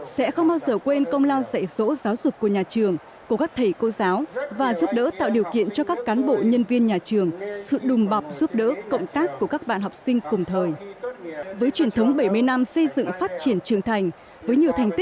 sẽ không bao giờ quên công lao dạy dỗ giáo dục của nhà trường của các thầy cô giáo và giúp đỡ tạo điều kiện cho các cán bộ nhân viên nhà trường sự đùm bọc giúp đỡ cộng tác của các bạn học sinh cùng thời